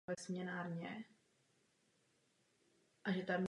Podle těchto vzpomínek oba utekli z německého zajateckého tábora na území Třetí říše.